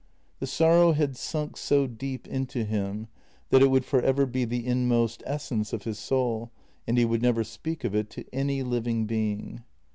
The sorrow had sunk so deep into him that it would for ever be the inmost essence of his soul, and he would never speak of it to any living being.